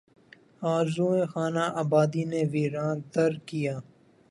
آرزوئے خانہ آبادی نے ویراں تر کیا